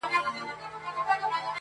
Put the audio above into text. هغه زما تيارې کوټې ته څه رڼا ورکوي~